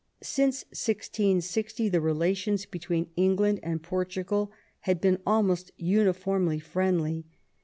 Since 1660 the relations between England and Portugal had been almost uniformly friendly.